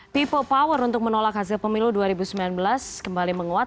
people power untuk menolak hasil pemilu dua ribu sembilan belas kembali menguat